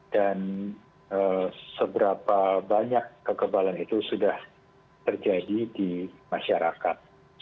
dan seberapa banyak kekebalan itu sudah terjadi di masyarakat